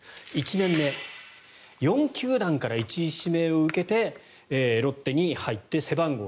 １年目４球団から１位指名を受けてロッテに入って背番号１７。